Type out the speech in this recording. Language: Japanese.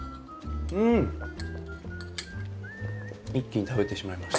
一気に食べてしまいました。